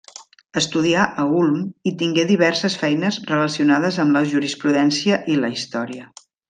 Estudià a Ulm i tingué diverses feines relacionades amb la jurisprudència i la història.